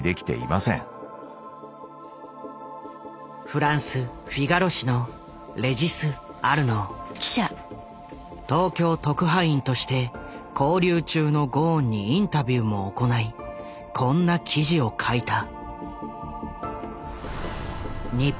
フランス東京特派員として勾留中のゴーンにインタビューも行いこんな記事を書いた。